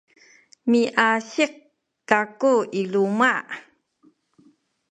miasik kaku i luma’.